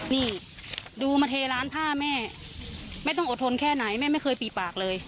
นี่ดูมาเทร้านผ้าแม่แม่ต้องอดทนแค่ไหนแม่ไม่เคยปีปากเลย